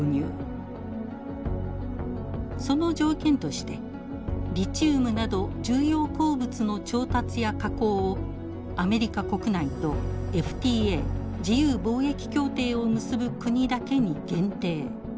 その条件としてリチウムなど重要鉱物の調達や加工をアメリカ国内とＦＴＡ自由貿易協定を結ぶ国だけに限定。